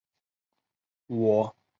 我认为不然。